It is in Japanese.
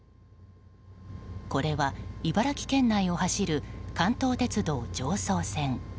これは、茨城県内を走る関東鉄道常総線。